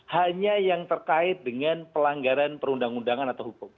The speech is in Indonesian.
hanya yang terkait dengan pelanggaran perundang undangan atau hukum